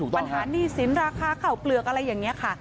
ปัญหาหนี้สินราคาข้าวเปลือกอะไรอย่างนี้ค่ะ